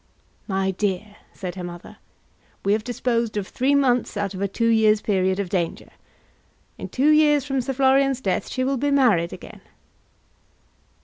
"My dear," said her mother, "we have disposed of three months out of a two years' period of danger. In two years from Sir Florian's death she will be married again."